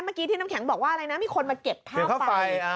เมื่อกี้ที่น้ำแข็งบอกว่าอะไรนะมีคนมาเก็บค่าไฟ